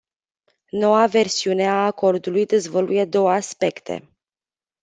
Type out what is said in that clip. Noua versiune a acordului dezvăluie două aspecte.